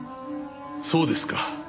そうですか。